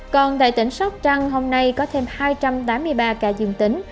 còn tại tỉnh sóc trăng hôm nay có thêm hai trăm tám mươi ba ca dương tính